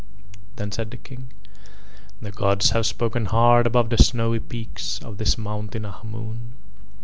Then said the King: "The gods have spoken hard above the snowy peak of this mountain Ahmoon."